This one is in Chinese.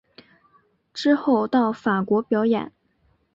之后到法国表演。